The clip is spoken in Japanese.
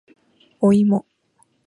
おいも